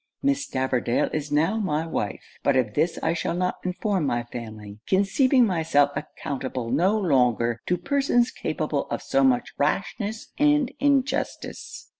Miss Stavordale is now my wife; but of this I shall not inform my family, conceiving myself accountable no longer to persons capable of so much rashness and injustice.